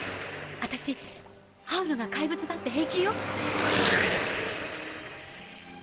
私ハウルが怪物だって平気よ。